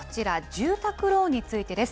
住宅ローンについてです。